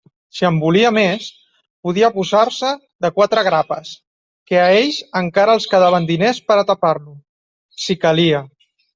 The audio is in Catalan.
Si en volia més, podia posar-se de quatre grapes, que a ells encara els quedaven diners per a tapar-lo, si calia.